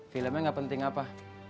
filmnya gak penting apa